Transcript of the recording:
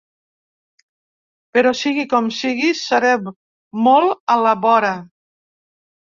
Però sigui com sigui, serem molt a la vora.